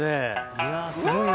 いやすごいな。